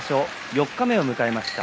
四日目を迎えました。